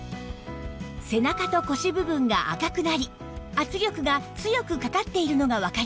背中と腰部分が赤くなり圧力が強くかかっているのがわかります